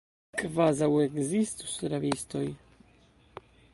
Kvazaŭ ekzistus rabistoj!